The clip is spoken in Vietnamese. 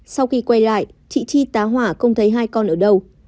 sau khi quay lại chị chi tá hỏa không thấy hai con ở đâu